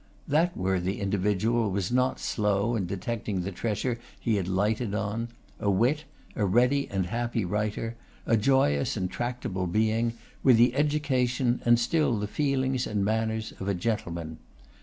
That worthy individual was not slow in detecting the treasure he had lighted on; a wit, a ready and happy writer, a joyous and tractable being, with the education, and still the feelings and manners, of a gentleman.